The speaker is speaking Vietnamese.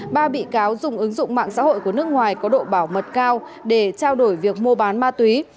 ba bị cáo dùng ứng dụng mạng xã hội của nước ngoài có độ bảo mật cao để trao đổi việc mua bán ma túy